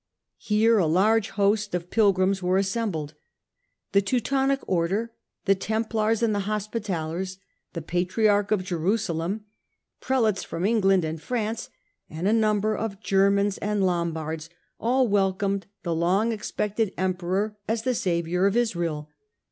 Here a large host of pilgrims were assembled. The Teutonic Order, the Templars and the Hospitallers, the Patriarch of Jerusalem, Prelates from England and France, and a number of Germans and Lombards, all welcomed the long expected Emperor as the saviour of Israel.